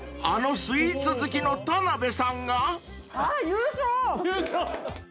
［あのスイーツ好きの田辺さんが］